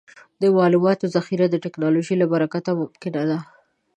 د معلوماتو ذخیره د ټکنالوجۍ له برکته ممکنه ده.